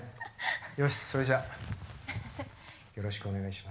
よしそれじゃよろしくお願いします。